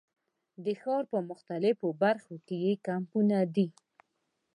د ښار په مختلفو برخو کې یې کمپونه دي.